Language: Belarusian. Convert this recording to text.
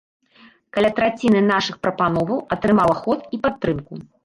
Каля траціны нашых прапановаў атрымала ход і падтрымку.